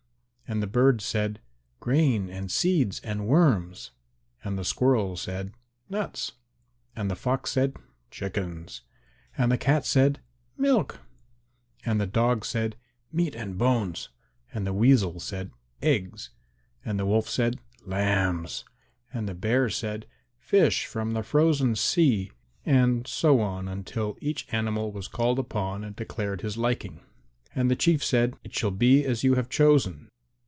And the birds said "Grain and seeds and worms," and the Squirrel said "Nuts," and the Fox said "Chickens," and the cat said "Milk," and the dog said "Meat and bones," and the weasel said "Eggs," and the wolf said "Lambs," and the bear said "Fish from the frozen sea," and so on until each animal was called upon and declared his liking. And the Chief said, "It shall be as you have chosen."